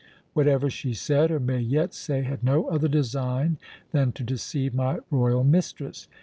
Whatever she said or may yet say had no other design than to deceive my royal mistress.